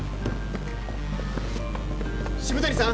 渋谷さん？